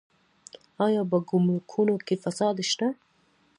آیا په ګمرکونو کې فساد شته؟